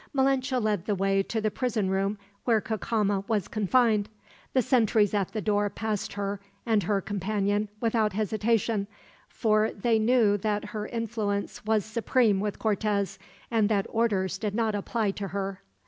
Malinche led the way to the prison room where Cacama was confined. The sentries at the door passed her and her companion without hesitation, for they knew that her influence was supreme with Cortez, and that orders did not apply to her.